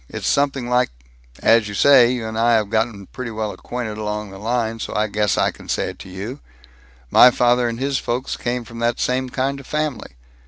It's something like As you say, you and I have gotten pretty well acquainted along the line, so I guess I can say it to you My father and his folks came from that same kind of family.